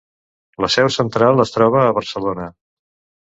La seu central es troba a Barcelona.